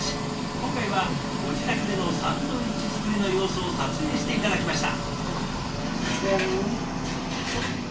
今回はご自宅でのサンドイッチ作りの様子を撮影して頂きました！